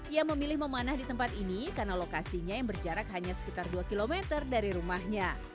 ia memilih memanah di tempat ini karena lokasinya yang berjarak hanya sekitar dua km dari rumahnya